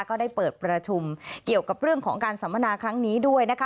ก็ได้เปิดประชุมเกี่ยวกับเรื่องของการสัมมนาครั้งนี้ด้วยนะคะ